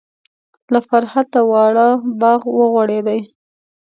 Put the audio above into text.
له فرحته واړه باغ و غوړیدلی.